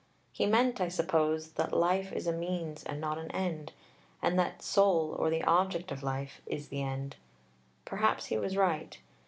He meant, I suppose, that "life" is a means and not an end, and that "soul," or the object of life, is the end. Perhaps he was right.